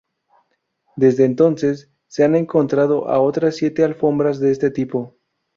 Desde entonces, se han encontrado a otras siete alfombras de este tipo.